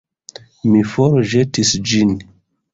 Mi forĵetis ĝin...